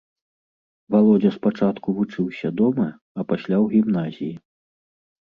Валодзя спачатку вучыўся дома, а пасля ў гімназіі.